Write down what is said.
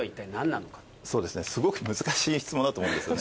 そうですねすごく難しい質問だと思うんですよね。